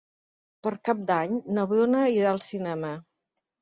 Per Cap d'Any na Bruna irà al cinema.